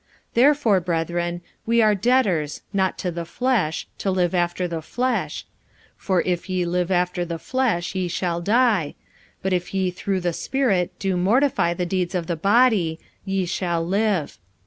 45:008:012 Therefore, brethren, we are debtors, not to the flesh, to live after the flesh. 45:008:013 For if ye live after the flesh, ye shall die: but if ye through the Spirit do mortify the deeds of the body, ye shall live.